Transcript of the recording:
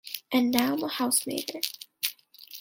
And now I'm a housemaster.